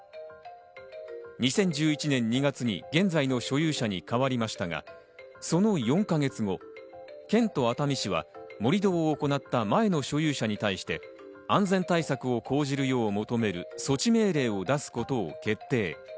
２０１１年２月に現在の所有者に代わりましたが、その４か月後、県と熱海市は盛り土を行った前の所有者に対して安全対策を講じるよう求める措置命令を出すことを決定。